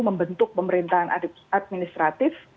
membentuk pemerintahan administratif